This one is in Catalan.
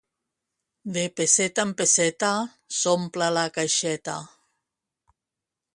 De pesseta en pesseta s'omple la caixeta.